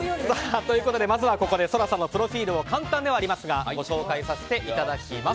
ということでまずはここでＳＯＲＡさんのプロフィールを簡単ではありますがご紹介させていただきます。